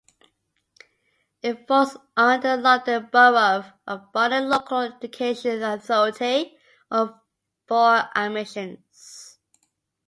It falls under the London Borough of Barnet Local Education Authority for admissions.